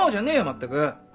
まったく。